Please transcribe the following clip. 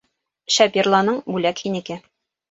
Шәп йырланың, бүләк һинеке.